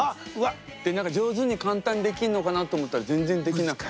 上手に簡単にできるのかなと思ったら全然できなくて。